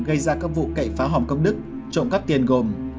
gây ra các vụ cậy phá hòm công đức trộm cắp tiền gồm